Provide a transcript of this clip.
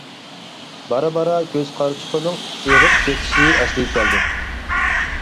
بارا-بارا كۆز قارىچۇقىنىڭ ئېغىپ كېتىشى ئەسلىگە كەلدى.